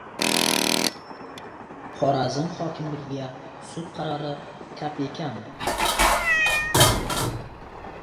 Xorazm hokimligiga sud qarori «kopeyka»mi?